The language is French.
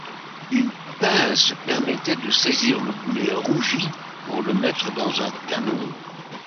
Une pince permettait de saisir le boulet rougi pour le mettre dans un canon.